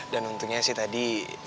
dan untungnya sih tadi